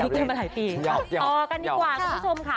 เอ่อกันดีกว่าคุณผู้ชมค่ะ